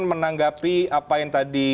menanggapi apa yang tadi